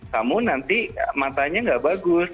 kamu nanti matanya nggak bagus